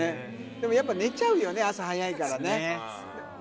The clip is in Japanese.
でもやっぱり、寝ちゃうよね、朝早いからね。